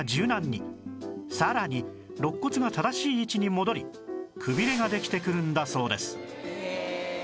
さらに肋骨が正しい位置に戻りくびれができてくるんだそうです